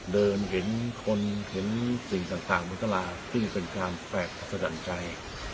เห็นคนเห็นสิ่งต่างบนตลาดซึ่งเป็นการแปลกสะดันใจ